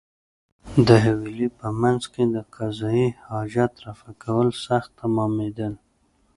د حویلۍ په مېنځ کې د قضای حاجت رفع کول سخت تمامېدل.